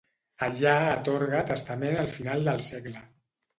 Allà atorga testament al final del segle.